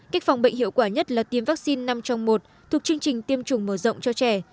cách phòng bệnh hiệu quả nhất là tiêm vaccine năm trong một thuộc chương trình tiêm chủng mở rộng cho trẻ